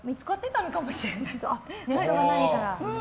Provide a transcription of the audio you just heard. ネットがないから。